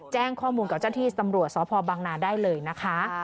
แจ้งข้อมูลกับเจ้าที่ตำรวจสพบังนาได้เลยนะคะ